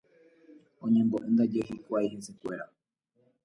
Oñembo'éndaje hikuái hesekuéra.